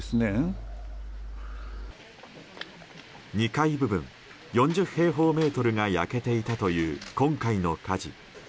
２階部分、４０平方メートルが焼けていたという今回の火事。